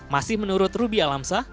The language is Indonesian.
masih menurut ruby alamssa